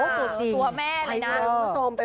ตัวแม่เลยน่ะ